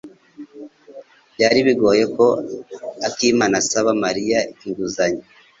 Byari bigoye ko akimana asaba Mariya inguzanyo.